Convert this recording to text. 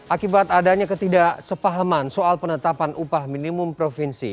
akibat adanya ketidaksepahaman soal penetapan upah minimum provinsi